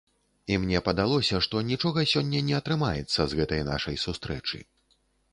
І мне падалося, што нічога сёння не атрымаецца з гэтай нашай сустрэчы.